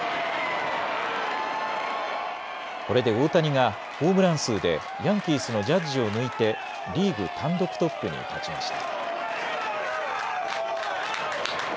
これで大谷がホームラン数でヤンキースのジャッジを抜いてリーグ単独トップに立ちました。